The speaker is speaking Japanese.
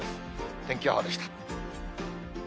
天気予報でした。